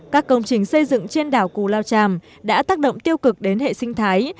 các công trình xây dựng trên đảo cù lao tràm đã tác động tiêu cực đến hệ sinh thái